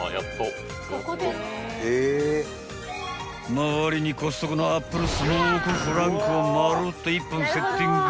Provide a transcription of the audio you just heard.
［周りにコストコのアップルスモークフランクを丸っと１本セッティング］